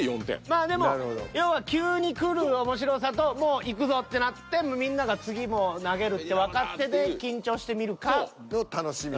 まあでも要は急に来る面白さともういくぞってなってみんなが次もう投げるってわかってて緊張して見るか。の楽しみ。